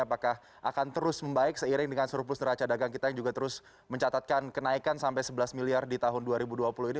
apakah akan terus membaik seiring dengan surplus neraca dagang kita yang juga terus mencatatkan kenaikan sampai sebelas miliar di tahun dua ribu dua puluh ini